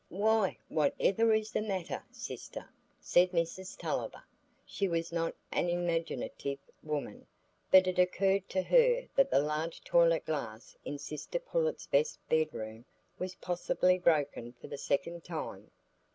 "Why, whativer is the matter, sister?" said Mrs Tulliver. She was not an imaginative woman, but it occurred to her that the large toilet glass in sister Pullet's best bedroom was possibly broken for the second time.